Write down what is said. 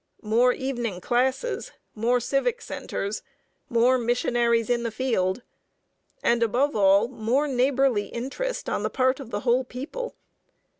More evening classes, more civic centers, more missionaries in the field, and above all more neighborly interest on the part of the whole people.